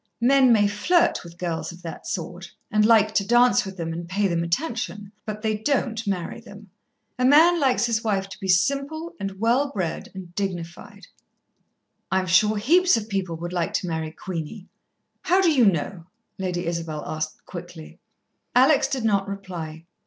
Men may flirt with girls of that sort, and like to dance with them and pay them attention, but they don't marry them. A man likes his wife to be simple and well bred and dignified." "I'm sure heaps of people would like to marry Queenie." "How do you know?" Lady Isabel asked quickly. Alex did not reply.